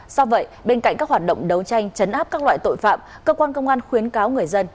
do vậy bên cạnh các hoạt động đấu tranh chấn áp các loại tội phạm cơ quan công an khuyến cáo người dân